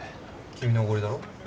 君のおごりだろ。